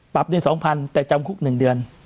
ปรับใน๒๐๐๐แต่จำคลุกหนึ่งเดือน